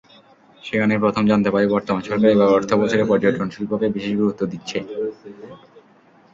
সেখানেই প্রথম জানতে পারি, বর্তমান সরকার এবারের অর্থবছরে পর্যটনশিল্পকে বিশেষ গুরুত্ব দিচ্ছে।